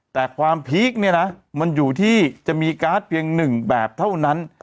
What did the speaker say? แต่ความพีคเนี่ยนะมันอยู่ที่จะมีการ์ดเพียงหนึ่งแบบเท่านั้น